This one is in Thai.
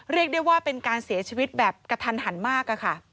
เรียกได้ว่าเป็นการเสียชีวิตแบบกระทันหันมากอะค่ะ